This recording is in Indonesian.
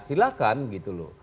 silahkan gitu loh